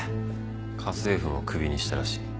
家政婦も首にしたらしい